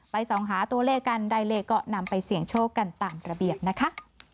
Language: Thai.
ส่องหาตัวเลขกันได้เลขก็นำไปเสี่ยงโชคกันตามระเบียบนะคะ